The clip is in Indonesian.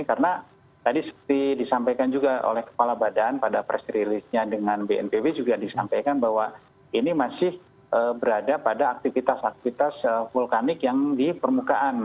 karena tadi seperti disampaikan juga oleh kepala badan pada press release nya dengan bnpb juga disampaikan bahwa ini masih berada pada aktivitas aktivitas vulkanik yang di permukaan